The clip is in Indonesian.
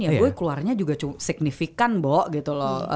ya gue keluarnya juga signifikan bok gitu loh